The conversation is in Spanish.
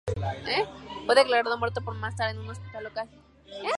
Fue declarado muerto más tarde en un hospital local.